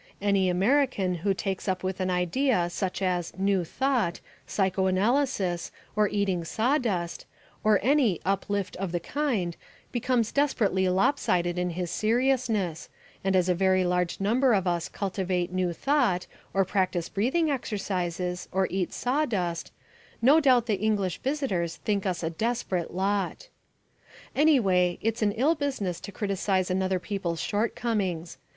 Any American who takes up with an idea such as New Thought, Psychoanalysis or Eating Sawdust, or any "uplift" of the kind becomes desperately lopsided in his seriousness, and as a very large number of us cultivate New Thought, or practise breathing exercises, or eat sawdust, no doubt the English visitors think us a desperate lot. Anyway, it's an ill business to criticise another people's shortcomings.